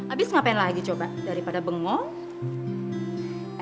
abis ngapain lagi coba daripada bengong